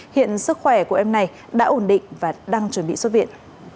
hiện sức khỏe của em này đã ổn định và đang chuẩn bị xuất viện